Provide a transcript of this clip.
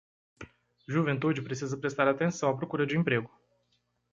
Juventude precisa prestar atenção à procura de emprego